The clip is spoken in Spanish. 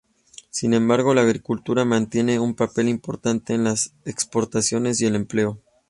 Sin embargo, la agricultura mantiene un papel importante en las exportaciones y el empleo.